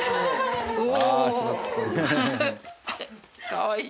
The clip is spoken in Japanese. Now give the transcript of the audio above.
かわいい。